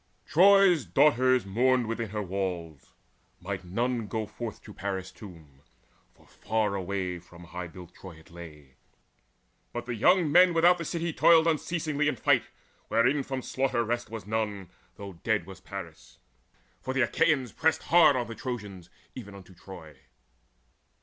Troy's daughters mourned within her walls; might none Go forth to Paris' tomb, for far away From high built Troy it lay. But the young men Without the city toiled unceasingly In fight wherein from slaughter rest was none, Though dead was Paris; for the Achaeans pressed Hard on the Trojans even unto Troy.